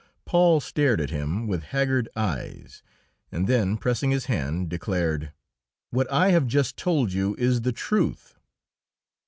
Paul stared at him with haggard eyes, and then, pressing his hand, declared, "What I have just told you is the truth."